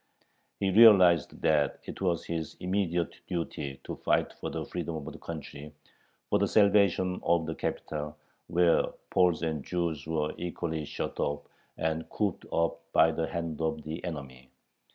He realized that it was his immediate duty to fight for the freedom of the country, for the salvation of the capital, where Poles and Jews were equally shut off and cooped up by the hand of the enemy.